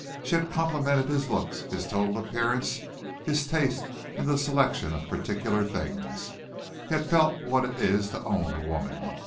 She had complimented his looks, his total appearance, his taste in the selection of particular things. He had felt what it is to own a woman.